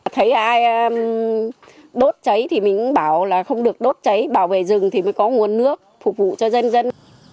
thấy ai đốt cháy thì mình cũng bảo là không được đốt cháy bảo vệ rừng thì mới có nguồn nước phục vụ cho dân dân